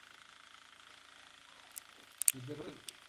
La princesa es aún muy joven y no está iniciada en el amor.